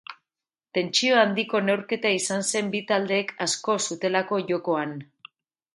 Tentsio handiko neurketa izan zen bi taldeek asko zutelako jokoan.